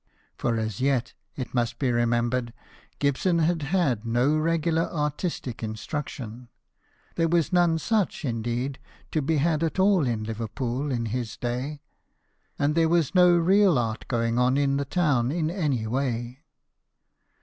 For as yet, it must be remembered, Gibson had had no regular artistic instruction : there was none such, indeed, to be had at all in JOHN GIBSON, SCULPTOR. 69 Liverpool in his day ; and there was no real art going on in the town in any way.